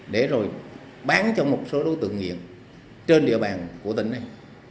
để rồi bán cho một số đối tượng nghiện trên địa bàn của tỉnh này